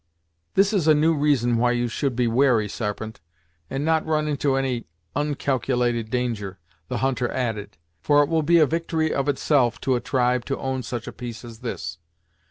"This is a new reason why you should be wary, Sarpent, and not run into any oncalculated danger," the hunter added, "for, it will be a victory of itself to a tribe to own such a piece as this!